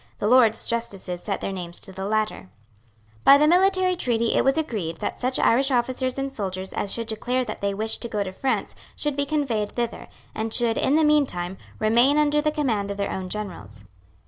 The Lords justices set their names to the latter. By the military treaty it was agreed that such Irish officers and soldiers as should declare that they wished to go to France should be conveyed thither, and should, in the meantime, remain under the command of their own generals.